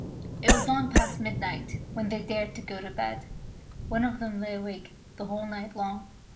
It was long past midnight when they dared to go to bed. One of them lay awake the whole night long.